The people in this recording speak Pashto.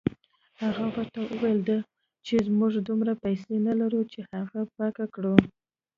هغه ورته وویل چې موږ دومره پیسې نه لرو چې هغه پاکه کړو.